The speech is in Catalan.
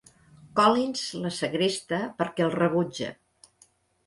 Collins la segresta perquè el rebutja.